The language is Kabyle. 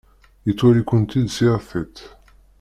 Yettwali-kent-id s yir tiṭ.